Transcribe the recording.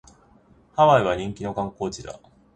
ハワイは人気の観光地だ